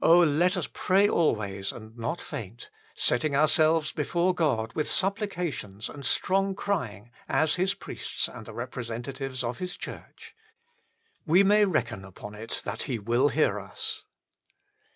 let us " pray always and not faint," set ting ourselves before God with supplications and strong crying as His priests and the representa tives of His Church. We may reckon upon it that He will hear us.